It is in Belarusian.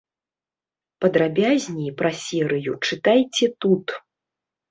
Падрабязней пра серыю чытайце тут.